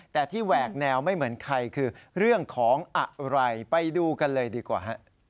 แต่ที่แหวกแนวไม่เหมือนใครคือเรื่องของอะไรไปดูกันเลยดีกว่า